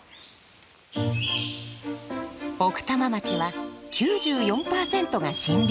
奥多摩町は９４％が森林。